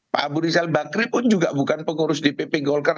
pak abu rizal bakri pun juga bukan pengurus dpp golkar